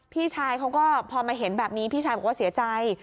พี่ชายเขาก็พอมาเห็นแบบนี้พี่ชายบอกว่าเสียใจ